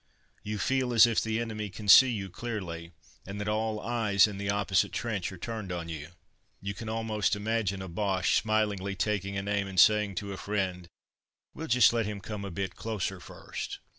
You feel as if the enemy can see you clearly, and that all eyes in the opposite trench are turned on you. You can almost imagine a Boche smilingly taking an aim, and saying to a friend, "We'll just let him come a bit closer first."